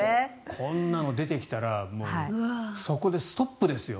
こんなの出てきたらそこでストップですよ